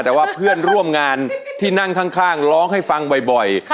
แต่ว่าเพื่อนร่วมงานที่นั่งข้างร้องให้ฟังบ่อย